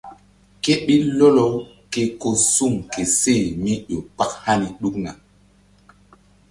Ké ɓil lɔkɔ-u ke ko suŋ ke seh mí ƴo kpak hani ɗukna.